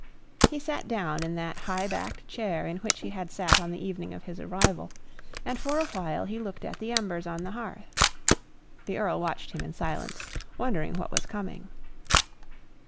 He sat down in that high backed chair in which he had sat on the evening of his arrival, and for a while he looked at the embers on the hearth. The Earl watched him in silence, wondering what was coming.